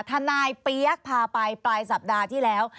นายกเปี๊ยกพาไปปลายสัปดาห์ที่แล้ว